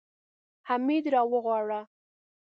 حميد راوغواړه.